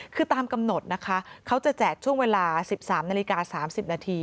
คือตามกำหนดนะคะเขาจะแจกช่วงเวลา๑๓นาฬิกา๓๐นาที